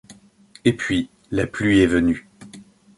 Et puis, la pluie est venue !